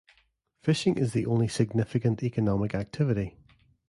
Fishing is the only significant economic activity.